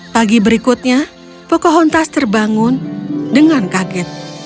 pagi berikutnya pocahontas terbangun dengan kaget